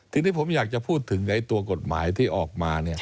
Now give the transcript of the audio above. ทีนี้ผมอยากจะพูดถึงตัวกฎหมายที่ออกมา